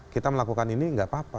kita melakukan ini nggak apa apa